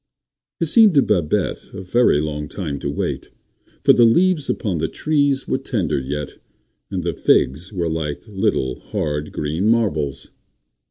It seemed to Babette a very long time to wait; for the leaves upon the trees were tender yet, and the figs were like little hard, green marbles.